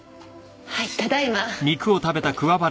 はいただいま。